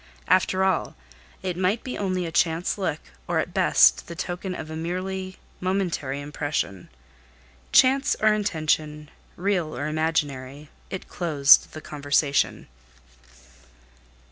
After all it might be only a chance look, or at best the token of a merely momentary impression. Chance or intentional real or imaginary, it closed the conversation.